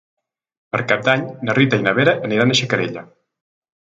Per Cap d'Any na Rita i na Vera aniran a Xacarella.